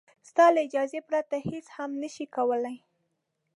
ستا له اجازې پرته هېڅ هم نه شي کولای.